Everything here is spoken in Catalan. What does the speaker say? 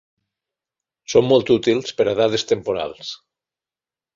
Són molt útils per a dades temporals.